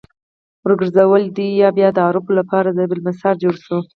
ورګرځولې!! دوی بيا د عربو لپاره ضرب المثل جوړ شو